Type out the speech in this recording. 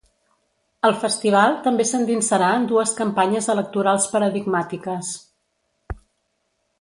El festival també s’endinsarà en dues campanyes electorals paradigmàtiques.